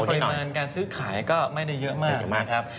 ปริมาณการซื้อขายก็ไม่ได้เยอะมากนะครับ